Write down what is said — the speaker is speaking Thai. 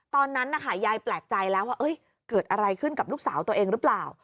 ตอนนั้นนะคะยายแปลกใจแล้วว่าเกิดอะไรขึ้นกับลูกสาวตัวเองหรือเปล่า